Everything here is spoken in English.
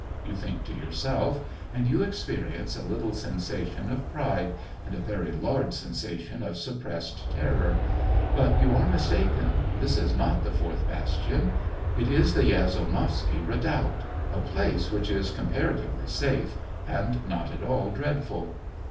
" you think to yourself, and you experience a little sensation of pride, and a very large sensation of suppressed terror. But you are mistaken, this is not the fourth bastion. It is the Yazonovsky redoubt — a place which is comparatively safe, and not at all dreadful.